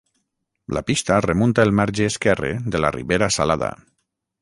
La pista remunta el marge esquerre de la Ribera Salada.